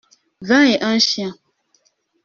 Vingt et un chiens.